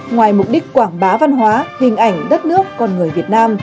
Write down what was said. ngoài mục đích quảng bá văn hóa hình ảnh đất nước con người việt nam